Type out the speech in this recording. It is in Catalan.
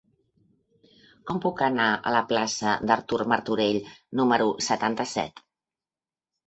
Com puc anar a la plaça d'Artur Martorell número setanta-set?